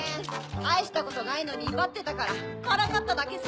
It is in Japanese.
たいしたことないのにいばってたからからかっただけさ。